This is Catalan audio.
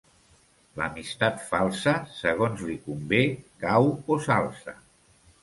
L'amistat falsa, segons li convé: cau o s'alça.